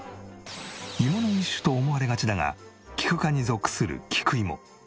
イモの一種と思われがちだがキク科に属する菊芋。